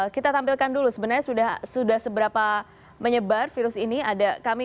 kita tampilkan dulu sebenarnya sudah seberapa menyebar virus ini